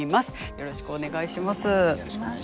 よろしくお願いします。